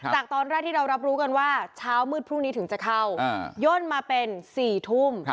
จากตอนแรกที่เรารับรู้กันว่าเช้ามืดพรุ่งนี้ถึงจะเข้าย่นมาเป็น๔ทุ่ม